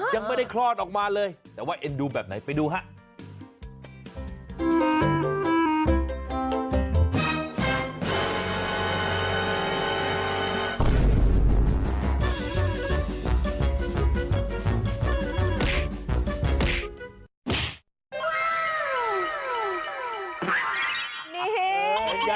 ยังไม่ได้คลอดออกมาเลยแต่ว่าเอ็นดูแบบไหนไปดูฮะ